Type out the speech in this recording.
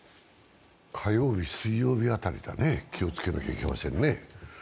火曜日、水曜日辺りだね気をつけなきゃいけませんね。